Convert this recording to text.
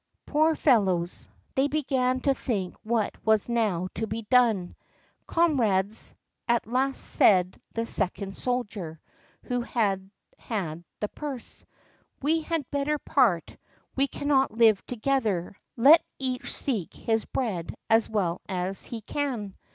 Poor fellows! they began to think what was now to be done. "Comrades," at last said the second soldier, who had had the purse, "we had better part; we cannot live together, let each seek his bread as well as he can."